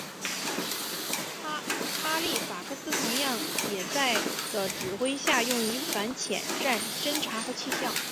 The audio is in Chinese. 哈利法克斯同样也在的指挥下用于反潜战侦察和气象。